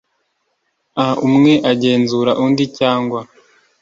a umwe agenzura undi cyangwa